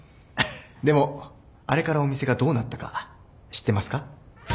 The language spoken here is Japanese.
でもあれからお店がどうなったか知ってますか？